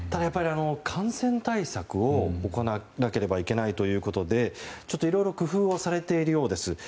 感染対策を行わなければいけないということで工夫がされているようです。